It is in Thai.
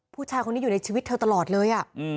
ผู้ชายคนนี้อยู่ในชีวิตเธอตลอดเลย